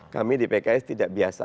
kami di pks tidak biasa